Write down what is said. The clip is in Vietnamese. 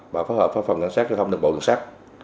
và phối hợp pháp phẩm ngân sát cho thông tin bộ ngân sát